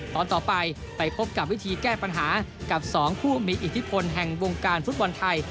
ตอนต่อไปไปพบกับวิธีแก้ปัญหากับ๒ผู้มีอิทธิพลแห่งวงการฟุตบอลไทย